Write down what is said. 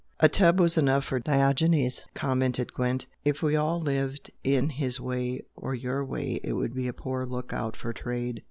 "A tub was enough for Diogenes" commented Gwent "If we all lived in his way or your way it would be a poor look out for trade!